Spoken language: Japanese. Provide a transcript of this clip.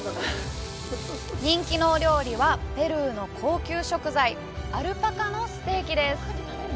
人気のお料理はペルーの高級食材アルパカのステーキです。